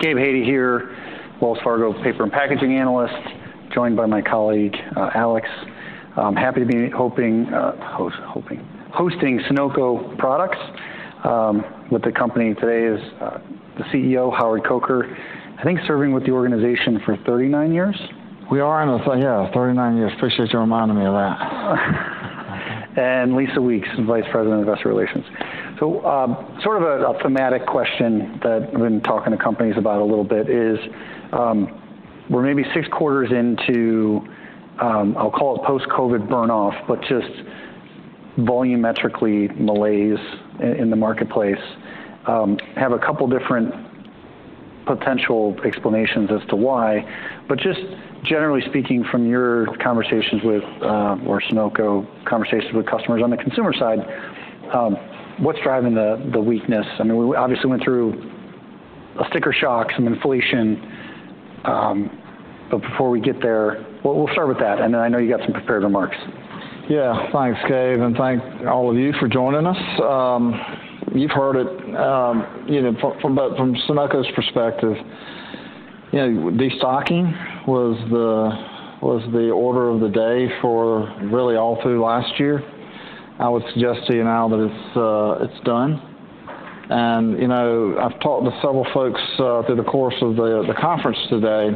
Gabe Hajde here, Wells Fargo paper and packaging analyst, joined by my colleague Alex. I'm happy to be hosting Sonoco Products. With the company today is the CEO, Howard Coker, I think serving with the organization for 39 years. We are in the, yeah, 39 years. Appreciate you reminding me of that. Lisa Weeks, Vice President of Investor Relations. So sort of a thematic question that I've been talking to companies about a little bit is we're maybe six quarters into, I'll call it post-COVID burn-off, but just volumetrically malaise in the marketplace. Have a couple different potential explanations as to why, but just generally speaking from your conversations with, or Sonoco conversations with customers on the consumer side, what's driving the weakness? I mean, we obviously went through a sticker shock, some inflation, but before we get there, we'll start with that. And then I know you got some prepared remarks. Yeah, thanks Gabe, and thank all of you for joining us. You've heard it from Sonoco's perspective. The stocking was the order of the day for really all through last year. I would suggest to you now that it's done. And I've talked to several folks through the course of the conference today.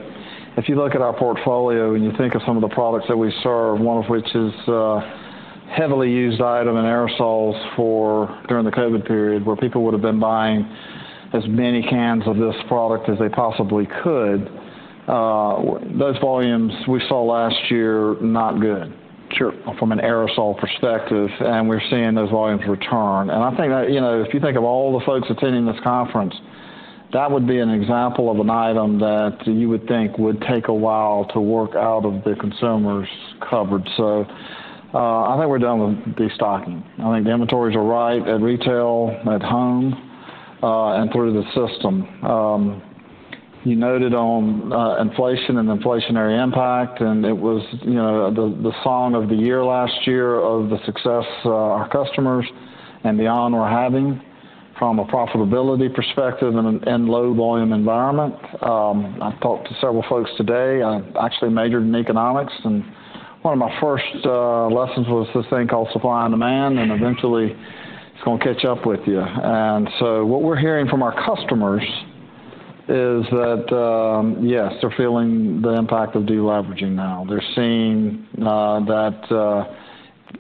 If you look at our portfolio and you think of some of the products that we serve, one of which is a heavily used item in aerosols during the COVID period, where people would have been buying as many cans of this product as they possibly could. Those volumes we saw last year, not good from an aerosol perspective, and we're seeing those volumes return. And I think that if you think of all the folks attending this conference, that would be an example of an item that you would think would take a while to work out of the consumer's cupboard. So I think we're done with the stocking. I think the inventories are right at retail, at home, and through the system. You noted on inflation and inflationary impact, and it was the song of the year last year of the success our customers and beyond were having from a profitability perspective and low volume environment. I talked to several folks today. I actually majored in economics, and one of my first lessons was this thing called supply and demand, and eventually it's going to catch up with you. And so what we're hearing from our customers is that, yes, they're feeling the impact of deleveraging now. They're seeing that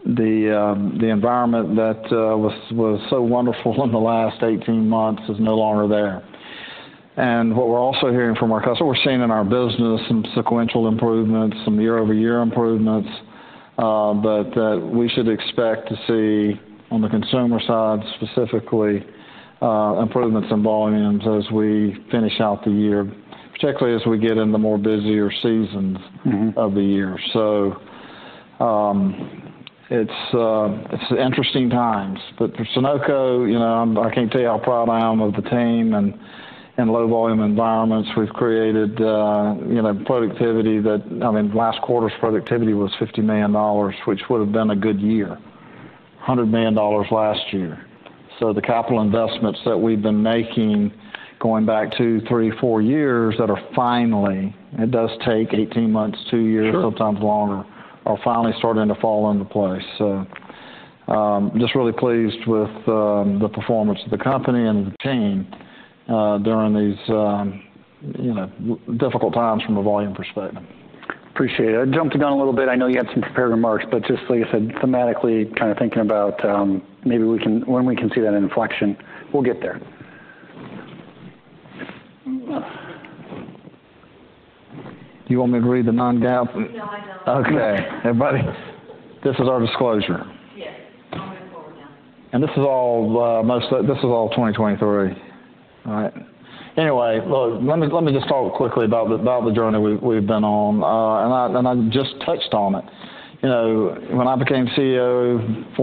the environment that was so wonderful in the last 18 months is no longer there. What we're also hearing from our customers, we're seeing in our business some sequential improvements, some year-over-year improvements, but that we should expect to see on the consumer side specifically improvements in volumes as we finish out the year, particularly as we get in the more busier seasons of the year. It's interesting times, but for Sonoco, I can't tell you how proud I am of the team and low volume environments. We've created productivity that, I mean, last quarter's productivity was $50 million, which would have been a good year, $100 million last year. The capital investments that we've been making going back 2, 3, 4 years that are finally, it does take 18 months, 2 years, sometimes longer, are finally starting to fall into place. Just really pleased with the performance of the company and the team during these difficult times from a volume perspective. Appreciate it. I jumped the gun a little bit. I know you had some prepared remarks, but just like I said, thematically kind of thinking about maybe when we can see that inflection, we'll get there. Do you want me to read the non-GAAP? No, I don't. Okay. Everybody, this is our disclosure. Yes. I'll move forward now. This is almost all 2023. All right. Anyway, look, let me just talk quickly about the journey we've been on, and I just touched on it. When I became CEO,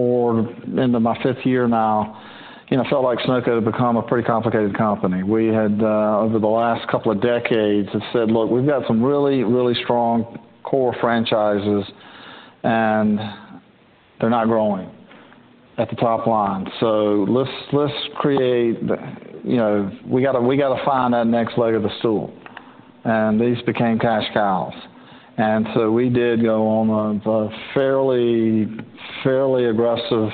now into my fifth year, I felt like Sonoco had become a pretty complicated company. We had, over the last couple of decades, said, "Look, we've got some really, really strong core franchises, and they're not growing at the top line. So let's create, we got to find that next leg of the stool." And these became cash cows. And so we did go on a fairly aggressive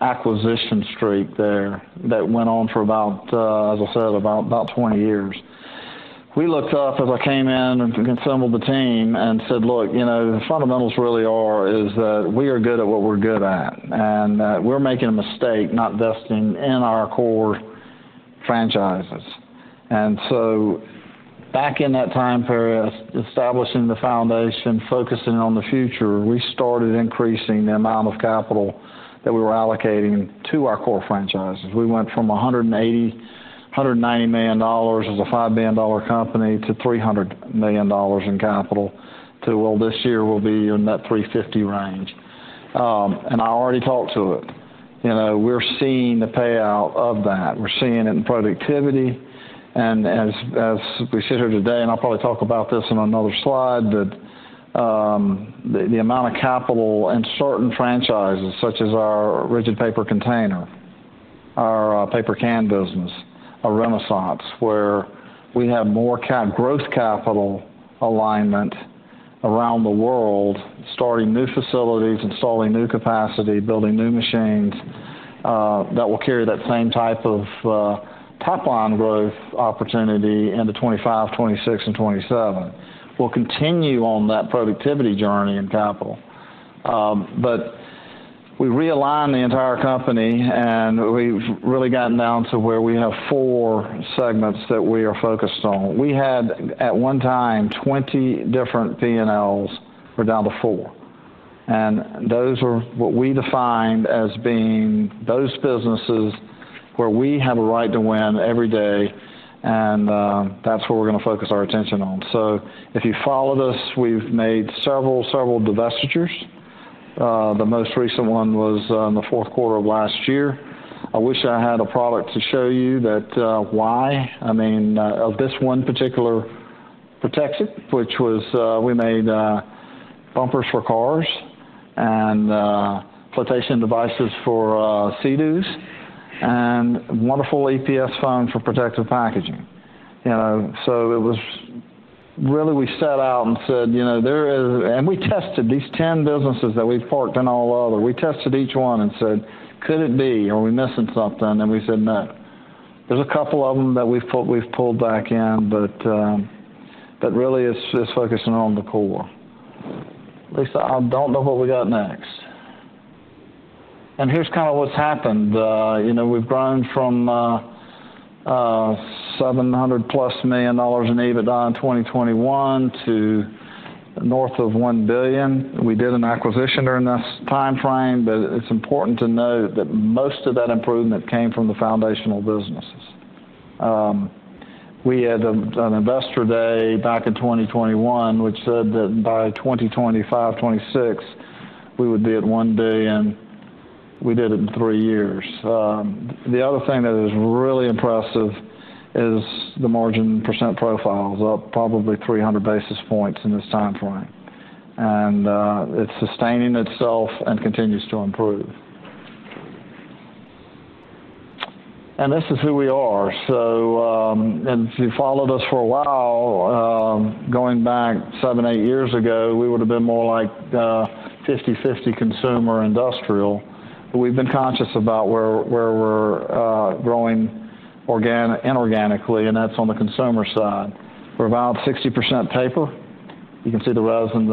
acquisition streak there that went on for about, as I said, about 20 years. We looked up as I came in and assembled the team and said, "Look, the fundamentals really are that we are good at what we're good at, and we're making a mistake not investing in our core franchises." And so back in that time period, establishing the foundation, focusing on the future, we started increasing the amount of capital that we were allocating to our core franchises. We went from $180 to $190 million as a $5 billion company to $300 million in capital to, well, this year we'll be in that $350 range. And I already talked to it. We're seeing the payout of that. We're seeing it in productivity. And as we sit here today, and I'll probably talk about this on another slide, that the amount of capital in certain franchises, such as our rigid paper container, our paper can business, a renaissance where we have more growth capital alignment around the world, starting new facilities, installing new capacity, building new machines that will carry that same type of top-line growth opportunity into 2025, 2026, and 2027. We'll continue on that productivity journey in capital. But we realigned the entire company, and we've really gotten down to where we have four segments that we are focused on. We had at one time 20 different P&Ls for down to four. And those are what we defined as being those businesses where we have a right to win every day, and that's where we're going to focus our attention on. So if you followed us, we've made several, several divestitures. The most recent one was in the fourth quarter of last year. I wish I had a product to show you that why. I mean, of this one particular Protective, which was we made bumpers for cars and flotation devices for Sea-Doo and wonderful EPS foam for protective packaging. So it was really we set out and said, "There is," and we tested these 10 businesses that we've parked in all of them. We tested each one and said, "Could it be? Are we missing something?" And we said, "No." There's a couple of them that we've pulled back in, but really it's focusing on the core. Lisa, I don't know what we got next. And here's kind of what's happened. We've grown from $700 million+ in EBITDA in 2021 to north of $1 billion. We did an acquisition during this time frame, but it's important to note that most of that improvement came from the foundational businesses. We had an investor day back in 2021, which said that by 2025, 2026, we would be at $1 billion. We did it in three years. The other thing that is really impressive is the margin percent profile is up probably 300 basis points in this time frame. It's sustaining itself and continues to improve. This is who we are. So if you followed us for a while, going back seven, eight years ago, we would have been more like 50/50 consumer industrial. But we've been conscious about where we're growing inorganically, and that's on the consumer side. We're about 60% paper. You can see the reason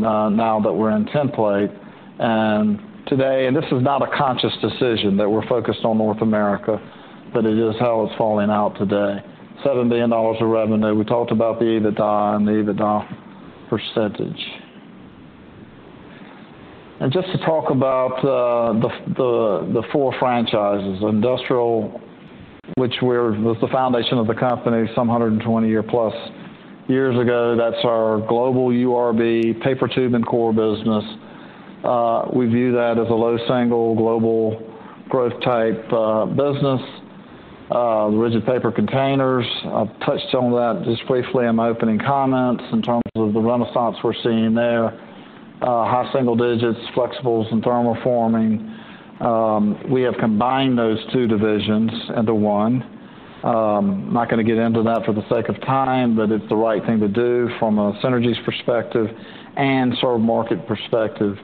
now that we're in the meantime. Today, and this is not a conscious decision that we're focused on North America, but it is how it's falling out today. $7 billion of revenue. We talked about the EBITDA and the EBITDA percentage. Just to talk about the four franchises, industrial, which was the foundation of the company some 120 year plus years ago. That's our global URB paper tube and core business. We view that as a low single global growth type business. Rigid paper containers, I've touched on that just briefly in my opening comments in terms of the renaissance we're seeing there. High single digits, flexibles and thermoforming. We have combined those two divisions into one. I'm not going to get into that for the sake of time, but it's the right thing to do from a synergies perspective and serve market perspective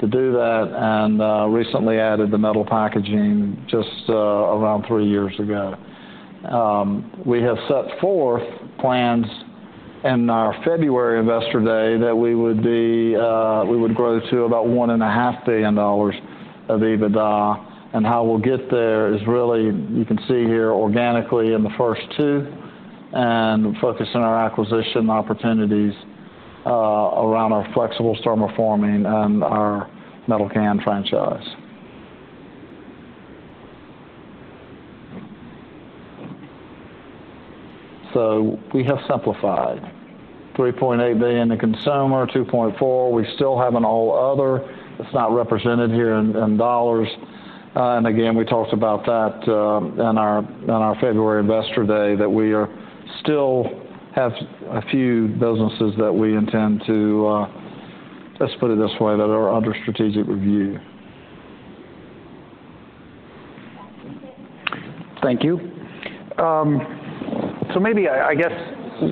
to do that. Recently added the metal packaging just around three years ago. We have set forth plans in our February Investor Day that we would grow to about $1.5 billion of EBITDA. How we'll get there is really, you can see here organically in the first two and focus on our acquisition opportunities around our flexible thermoforming and our metal can franchise. We have simplified $3.8 billion to consumer, $2.4. We still have an all other. It's not represented here in dollars. Again, we talked about that in our February Investor Day that we still have a few businesses that we intend to, let's put it this way, that are under strategic review. Thank you. So maybe I guess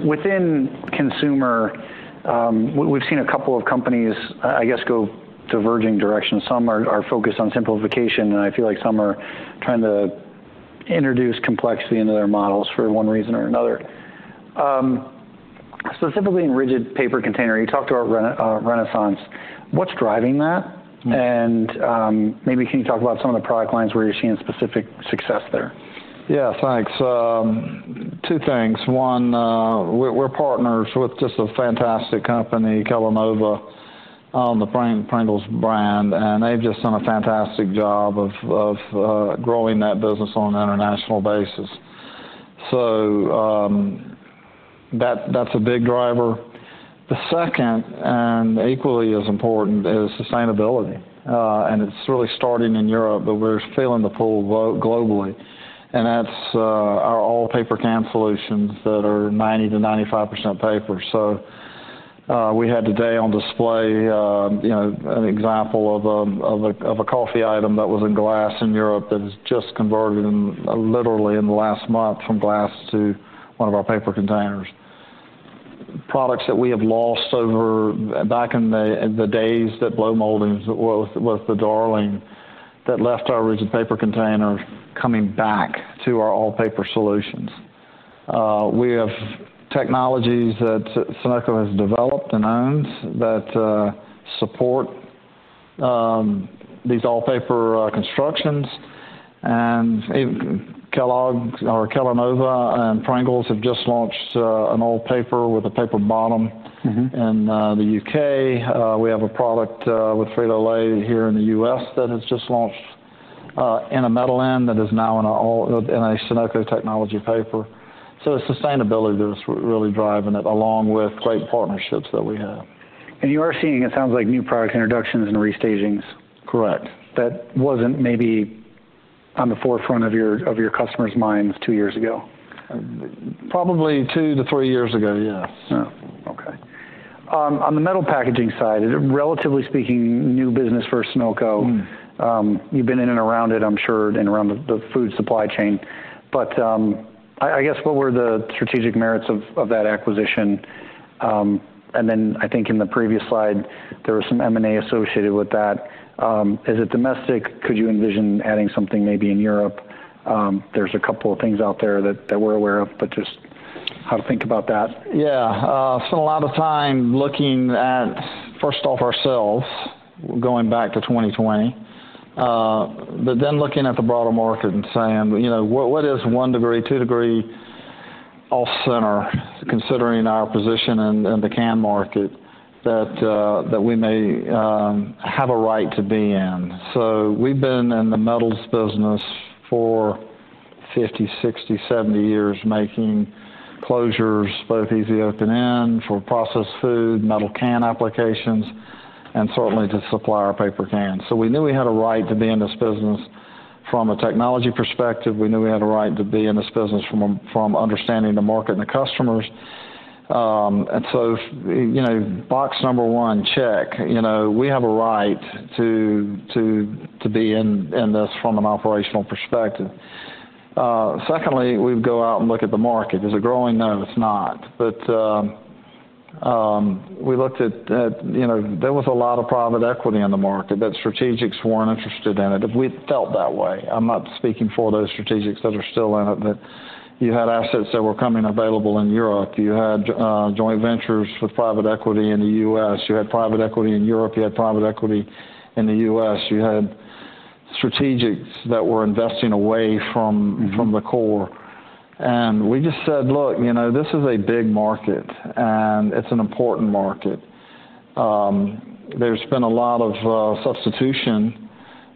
within consumer, we've seen a couple of companies, I guess, go diverging directions. Some are focused on simplification, and I feel like some are trying to introduce complexity into their models for one reason or another. Specifically in rigid paper container, you talked about renaissance. What's driving that? And maybe can you talk about some of the product lines where you're seeing specific success there? Yeah, thanks. Two things. One, we're partners with just a fantastic company, Kellanova on the Pringles brand, and they've just done a fantastic job of growing that business on an international basis. So that's a big driver. The second, and equally as important, is sustainability. And it's really starting in Europe, but we're feeling the pull globally. And that's our all-paper can solutions that are 90% to 95% paper. So we had today on display an example of a coffee item that was in glass in Europe that has just converted literally in the last month from glass to one of our paper containers. Products that we have lost back in the days that blow molding was the darling that left our rigid paper containers coming back to our all-paper solutions. We have technologies that Sonoco has developed and owned that support these all-paper constructions. Kellanova and Pringles have just launched an all paper with a paper bottom in the U.K. We have a product with Frito-Lay here in the U.S. that has just launched in a metal end that is now in a Sonoco technology paper. So it's sustainability that's really driving it along with great partnerships that we have. You are seeing, it sounds like, new product introductions and restagings. Correct. That wasn't maybe on the forefront of your customers' minds two years ago? Probably 2-3 years ago, yes. Okay. On the metal packaging side, relatively speaking, new business for Sonoco. You've been in and around it, I'm sure, and around the food supply chain. But I guess what were the strategic merits of that acquisition? And then I think in the previous slide, there was some M&A associated with that. Is it domestic? Could you envision adding something maybe in Europe? There's a couple of things out there that we're aware of, but just how to think about that? Yeah. I spent a lot of time looking at, first off, ourselves, going back to 2020, but then looking at the broader market and saying, "What is one degree, two degree off center, considering our position in the can market that we may have a right to be in?" So we've been in the metals business for 50, 60, 70 years making closures, both easy open end for processed food, metal can applications, and certainly to supply our paper cans. So we knew we had a right to be in this business from a technology perspective. We knew we had a right to be in this business from understanding the market and the customers. And so box number one, check. We have a right to be in this from an operational perspective. Secondly, we'd go out and look at the market. Is it growing? No, it's not. But we looked at there was a lot of private equity in the market that strategics weren't interested in it. We felt that way. I'm not speaking for those strategics that are still in it, but you had assets that were coming available in Europe. You had joint ventures with private equity in the U.S. You had private equity in Europe. You had private equity in the U.S. You had strategics that were investing away from the core. And we just said, "Look, this is a big market, and it's an important market." There's been a lot of substitution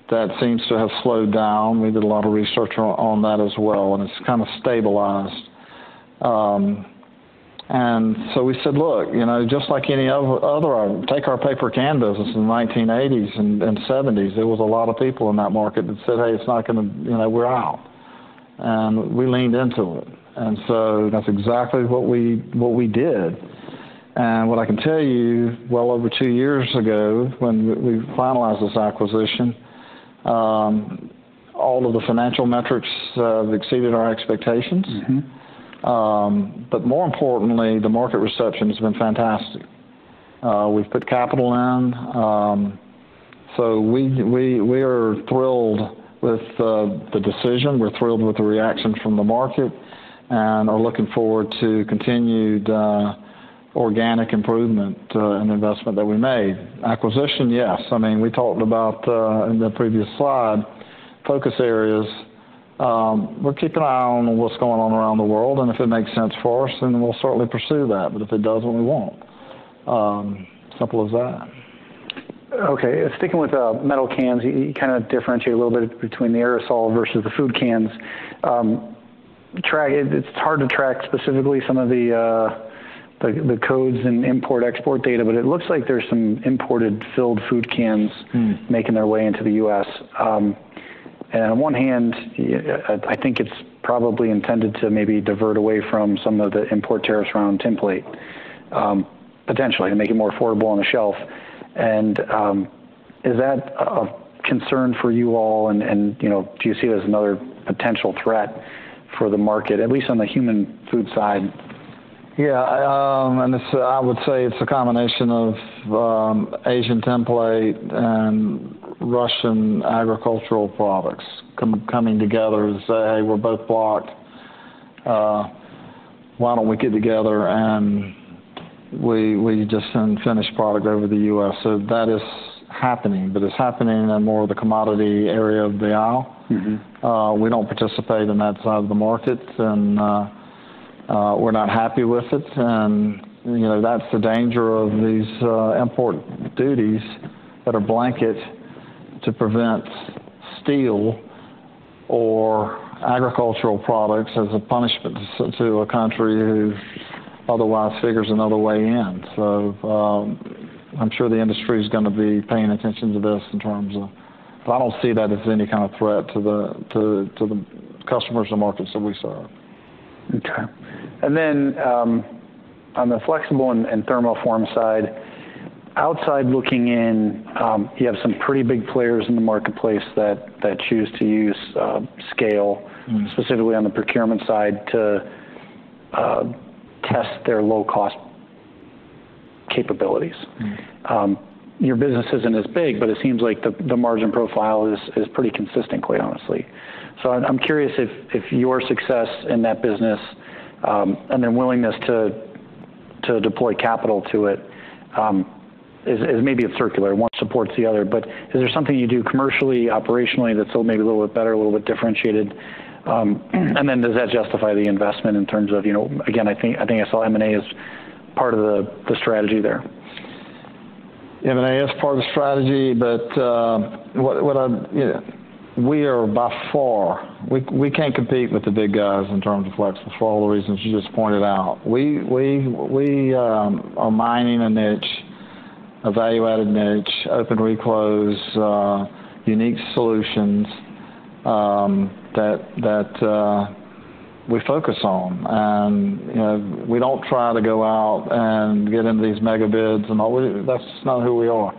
that seems to have slowed down. We did a lot of research on that as well, and it's kind of stabilized. And so we said, "Look, just like any other, take our paper can business in the 1980s and '70s." There was a lot of people in that market that said, "Hey, it's not going to, we're out." And we leaned into it. And so that's exactly what we did. And what I can tell you, well over two years ago when we finalized this acquisition, all of the financial metrics have exceeded our expectations. But more importantly, the market reception has been fantastic. We've put capital in. So we are thrilled with the decision. We're thrilled with the reaction from the market and are looking forward to continued organic improvement and investment that we made. Acquisition, yes. I mean, we talked about in the previous slide, focus areas. We're keeping an eye on what's going on around the world. If it makes sense for us, then we'll certainly pursue that. If it doesn't, we won't. Simple as that. Okay. Sticking with metal cans, you kind of differentiate a little bit between the aerosol versus the food cans. It's hard to track specifically some of the codes and import-export data, but it looks like there's some imported filled food cans making their way into the U.S. And on one hand, I think it's probably intended to maybe divert away from some of the import tariffs around tinplate, potentially, to make it more affordable on the shelf. And is that a concern for you all? And do you see it as another potential threat for the market, at least on the human food side? Yeah. And I would say it's a combination of Asian tinplate and Russian agricultural products coming together to say, "Hey, we're both blocked. Why don't we get together and we just send finished product over to the U.S.?" So that is happening, but it's happening in more of the commodity area of the aisle. We don't participate in that side of the market, and we're not happy with it. And that's the danger of these import duties that are blanket to prevent steel or agricultural products as a punishment to a country who otherwise figures another way in. So I'm sure the industry is going to be paying attention to this in terms of, but I don't see that as any kind of threat to the customers and markets that we serve. Okay. And then on the flexible and thermoform side, outside looking in, you have some pretty big players in the marketplace that choose to use scale, specifically on the procurement side to test their low-cost capabilities. Your business isn't as big, but it seems like the margin profile is pretty consistent, quite honestly. So I'm curious if your success in that business and their willingness to deploy capital to it is maybe a circular, one supports the other. But is there something you do commercially, operationally that's maybe a little bit better, a little bit differentiated? And then does that justify the investment in terms of, again, I think I saw M&A as part of the strategy there? M&A is part of the strategy, but we are by far, we can't compete with the big guys in terms of flexible for all the reasons you just pointed out. We are mining a niche, evaluated niche, open reclose, unique solutions that we focus on. And we don't try to go out and get into these mega bids and all. That's not who we are.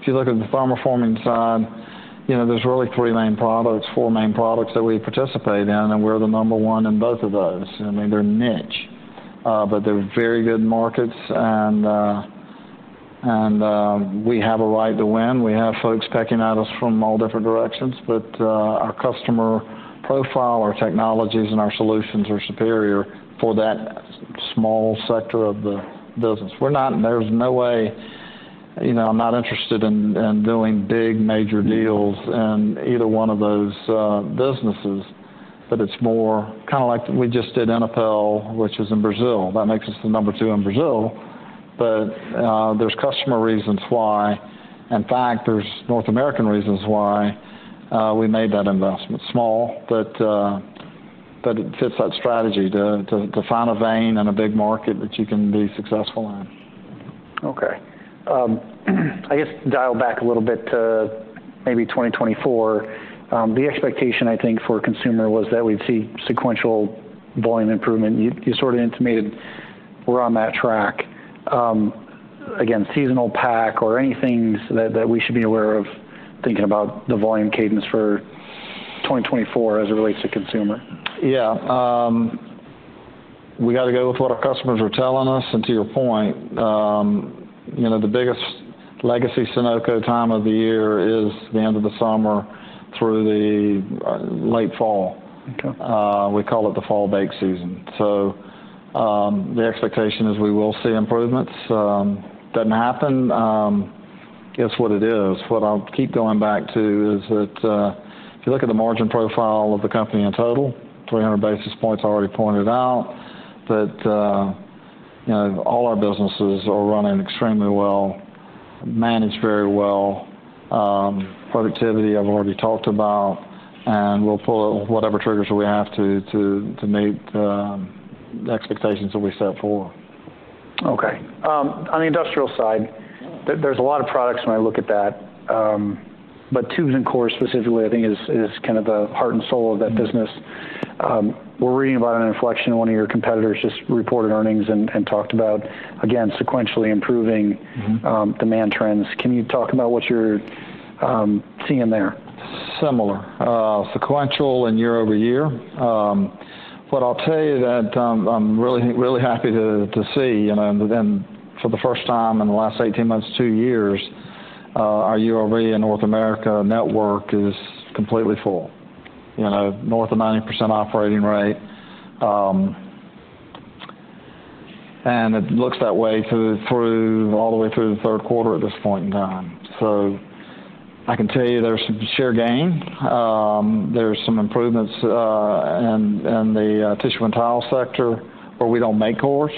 If you look at the thermoforming side, there's really three main products, four main products that we participate in, and we're the number one in both of those. I mean, they're niche, but they're very good markets, and we have a right to win. We have folks pecking at us from all different directions, but our customer profile, our technologies, and our solutions are superior for that small sector of the business. There's no way I'm not interested in doing big major deals in either one of those businesses, but it's more kind of like we just did Inapel, which is in Brazil. That makes us the number two in Brazil. But there's customer reasons why, in fact, there's North American reasons why we made that investment. Small, but it fits that strategy to find a vein in a big market that you can be successful in. Okay. I guess dial back a little bit to maybe 2024. The expectation, I think, for a consumer was that we'd see sequential volume improvement. You sort of intimated we're on that track. Again, seasonal pack or anything that we should be aware of thinking about the volume cadence for 2024 as it relates to consumer? Yeah. We got to go with what our customers are telling us. And to your point, the biggest legacy Sonoco time of the year is the end of the summer through the late fall. We call it the fall-bake season. So the expectation is we will see improvements. Doesn't happen. It's what it is. What I'll keep going back to is that if you look at the margin profile of the company in total, 300 basis points already pointed out that all our businesses are running extremely well, managed very well. Productivity, I've already talked about, and we'll pull whatever triggers we have to meet the expectations that we set forward. Okay. On the industrial side, there's a lot of products when I look at that, but tubes and cores specifically, I think, is kind of the heart and soul of that business. We're reading about an inflection. One of your competitors just reported earnings and talked about, again, sequentially improving demand trends. Can you talk about what you're seeing there? Similar. Sequential and year-over-year. But I'll tell you that I'm really happy to see for the first time in the last 18 months, two years, our URB and North America network is completely full, north of 90% operating rate. And it looks that way all the way through the third quarter at this point in time. So I can tell you there's some share gain. There's some improvements in the tissue and towel sector where we don't make cores.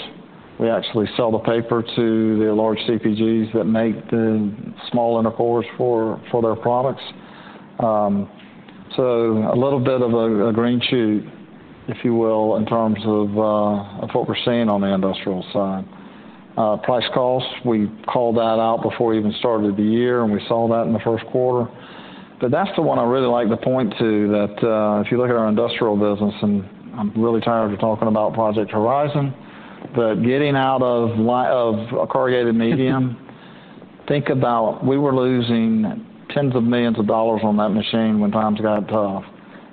We actually sell the paper to the large CPGs that make the small inner cores for their products. So a little bit of a green shoot, if you will, in terms of what we're seeing on the industrial side. Price cost, we called that out before we even started the year, and we saw that in the first quarter. But that's the one I really like to point to that if you look at our industrial business, and I'm really tired of talking about Project Horizon, but getting out of a corrugated medium, think about we were losing $10s of millions on that machine when times got tough,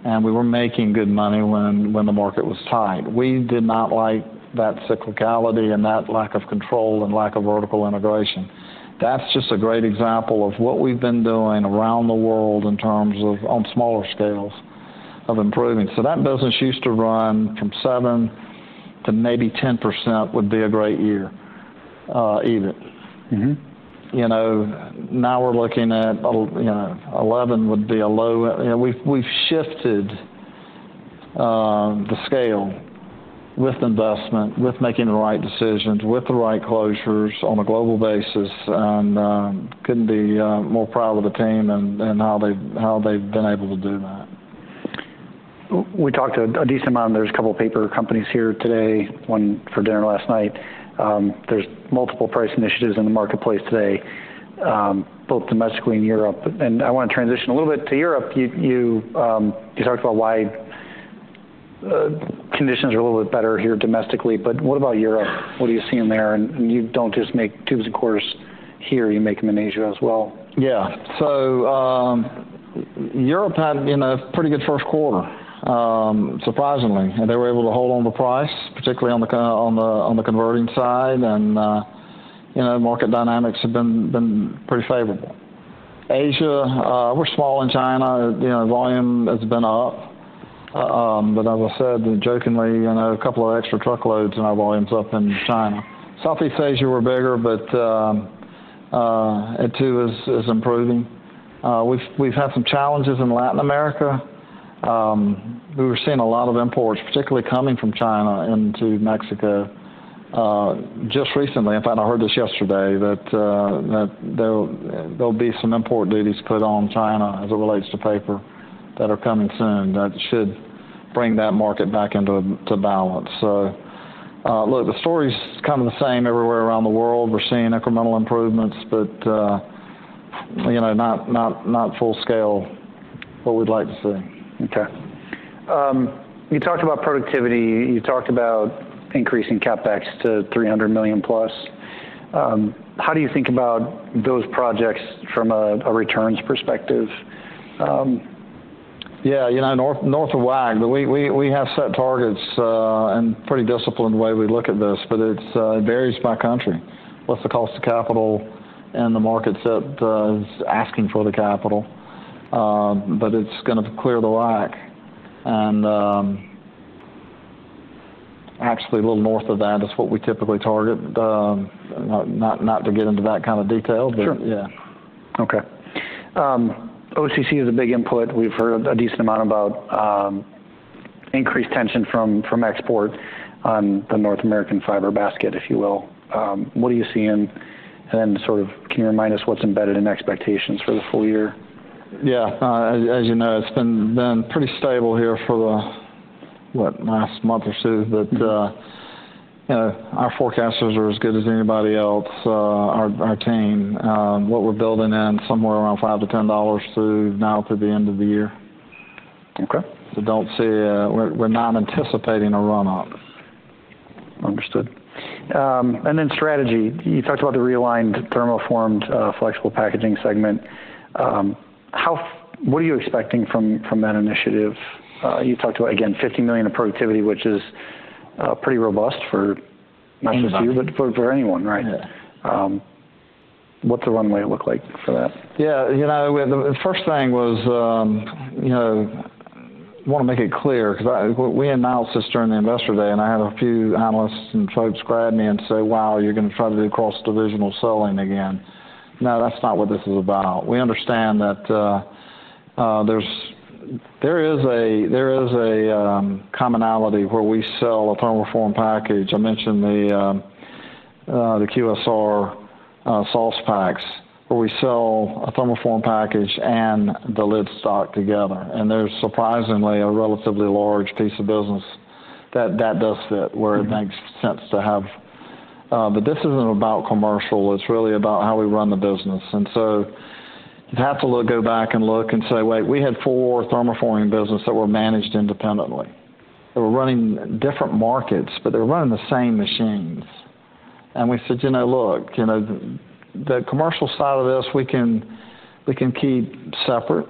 and we were making good money when the market was tight. We did not like that cyclicality and that lack of control and lack of vertical integration. That's just a great example of what we've been doing around the world in terms of on smaller scales of improving. So that business used to run from 7% to 10% would be a great year even. Now we're looking at 11% would be a low. We've shifted the scale with investment, with making the right decisions, with the right closures on a global basis, and couldn't be more proud of the team and how they've been able to do that. We talked a decent amount. There's a couple of paper companies here today, one for dinner last night. There's multiple price initiatives in the marketplace today, both domestically and in Europe. I want to transition a little bit to Europe. You talked about why conditions are a little bit better here domestically, but what about Europe? What are you seeing there? You don't just make tubes and cores here. You make them in Asia as well. Yeah. So Europe had a pretty good first quarter, surprisingly. They were able to hold on the price, particularly on the converting side, and market dynamics have been pretty favorable. Asia, we're small in China. Volume has been up. But as I said, jokingly, a couple of extra truckloads and our volume's up in China. Southeast Asia were bigger, but it too is improving. We've had some challenges in Latin America. We were seeing a lot of imports, particularly coming from China into Mexico. Just recently, in fact, I heard this yesterday, that there'll be some import duties put on China as it relates to paper that are coming soon. That should bring that market back into balance. So look, the story's kind of the same everywhere around the world. We're seeing incremental improvements, but not full scale what we'd like to see. Okay. You talked about productivity. You talked about increasing CapEx to $300 million plus. How do you think about those projects from a returns perspective? Yeah. North of WACC, we have set targets and pretty disciplined way we look at this, but it varies by country. What's the cost of capital and the markets that is asking for the capital? But it's going to clear the WACC. And actually, a little north of that is what we typically target. Not to get into that kind of detail, but yeah. Sure. Okay. OCC is a big input. We've heard a decent amount about increased tension from export on the North American fiber basket, if you will. What are you seeing? And then sort of can you remind us what's embedded in expectations for the full year? Yeah. As you know, it's been pretty stable here for the, what, last month or two. But our forecasters are as good as anybody else, our team. What we're building in somewhere around $5 to $10 through now to the end of the year. So we're not anticipating a run-up. Understood. And then strategy. You talked about the realigned thermoformed flexible packaging segment. What are you expecting from that initiative? You talked about, again, $50 million of productivity, which is pretty robust for not just you, but for anyone, right? What's the runway look like for that? Yeah. The first thing was I want to make it clear because we announced this during the investor day, and I had a few analysts and folks grab me and say, "Wow, you're going to try to do cross-divisional selling again." No, that's not what this is about. We understand that there is a commonality where we sell a thermoform package. I mentioned the QSR sauce packs where we sell a thermoform package and the lid stock together. And there's surprisingly a relatively large piece of business that does fit where it makes sense to have. But this isn't about commercial. It's really about how we run the business. And so you have to go back and look and say, "Wait, we had four thermoforming businesses that were managed independently. They were running different markets, but they were running the same machines." And we said, "Look, the commercial side of this, we can keep separate,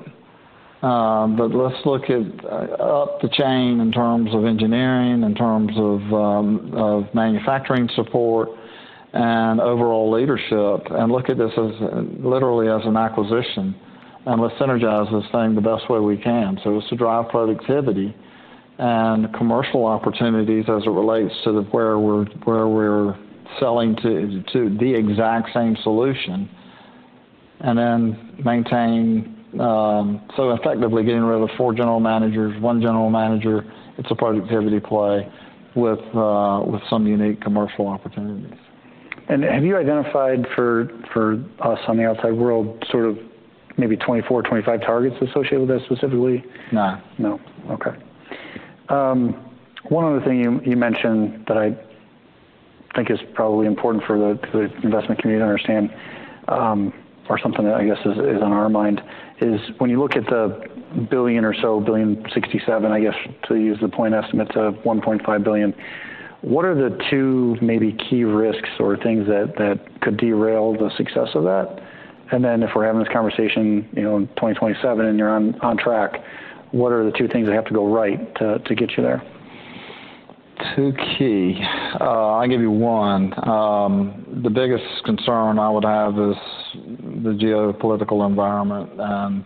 but let's look at up the chain in terms of engineering, in terms of manufacturing support, and overall leadership, and look at this literally as an acquisition, and let's energize this thing the best way we can." So it's to drive productivity and commercial opportunities as it relates to where we're selling to the exact same solution and then maintain so effectively getting rid of four general managers, one general manager. It's a productivity play with some unique commercial opportunities. Have you identified for us on the outside world sort of maybe 24, 25 targets associated with this specifically? No. No. Okay. One other thing you mentioned that I think is probably important for the investment community to understand or something that I guess is on our mind is when you look at the $1 billion or so, $1.067 billion, I guess, to use the point estimates of $1.5 billion, what are the two maybe key risks or things that could derail the success of that? And then if we're having this conversation in 2027 and you're on track, what are the two things that have to go right to get you there? Two key. I'll give you one. The biggest concern I would have is the geopolitical environment, and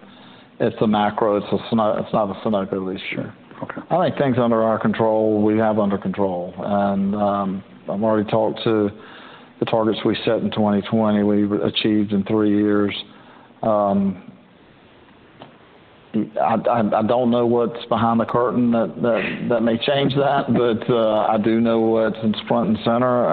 it's a macro. It's not specific at least. Sure. Okay. I think things under our control, we have under control. I've already talked about the targets we set in 2020, we achieved in three years. I don't know what's behind the curtain that may change that, but I do know what's in front and center.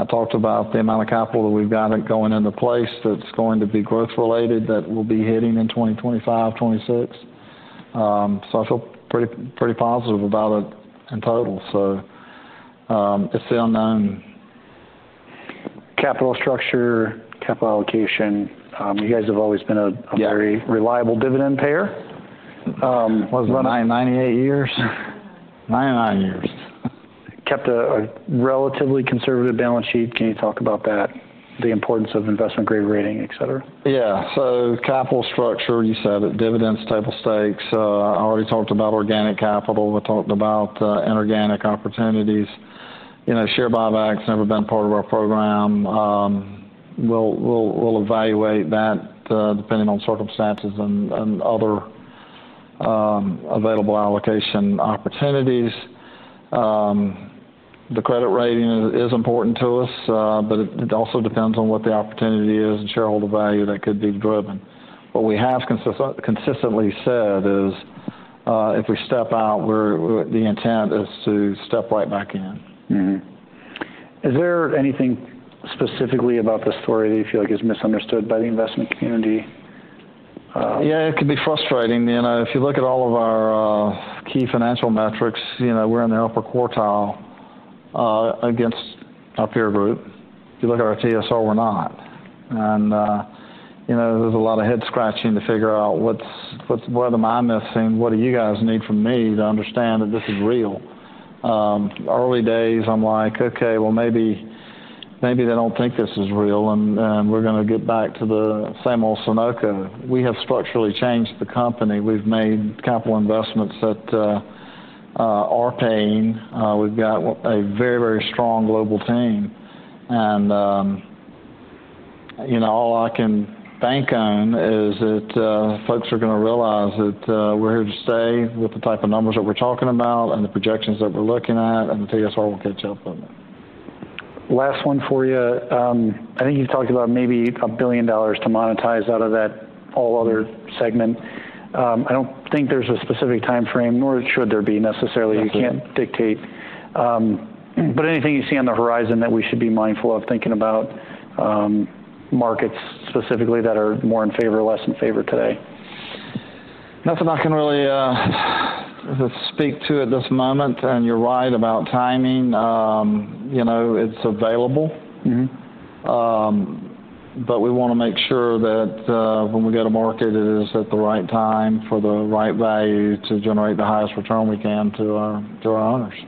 I talked about the amount of capital that we've got going into place that's going to be growth-related that we'll be hitting in 2025, 2026. I feel pretty positive about it in total. It's the unknown. Capital structure, capital allocation. You guys have always been a very reliable dividend payer. What's that? 98 years. 99 years. Kept a relatively conservative balance sheet. Can you talk about that, the importance of investment-grade rating, etc.? Yeah. So capital structure, you said it. Dividends, table stakes. I already talked about organic capital. We talked about inorganic opportunities. Share buybacks have never been part of our program. We'll evaluate that depending on circumstances and other available allocation opportunities. The credit rating is important to us, but it also depends on what the opportunity is and shareholder value that could be driven. What we have consistently said is if we step out, the intent is to step right back in. Is there anything specifically about the story that you feel like is misunderstood by the investment community? Yeah. It could be frustrating. If you look at all of our key financial metrics, we're in the upper quartile against our peer group. If you look at our TSR, we're not. And there's a lot of head scratching to figure out what am I missing? What do you guys need from me to understand that this is real? Early days, I'm like, "Okay, well, maybe they don't think this is real, and we're going to get back to the same old Sonoco." We have structurally changed the company. We've made capital investments that are paying. We've got a very, very strong global team. And all I can bank on is that folks are going to realize that we're here to stay with the type of numbers that we're talking about and the projections that we're looking at, and the TSR will catch up with it. Last one for you. I think you've talked about maybe $1 billion to monetize out of that all-other segment. I don't think there's a specific time frame, nor should there be necessarily. You can't dictate. But anything you see on the horizon that we should be mindful of thinking about markets specifically that are more in favor, less in favor today? Nothing I can really speak to at this moment. You're right about timing. It's available, but we want to make sure that when we go to market, it is at the right time for the right value to generate the highest return we can to our owners.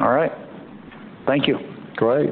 All right. Thank you. Great.